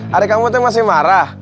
hari kamu itu masih marah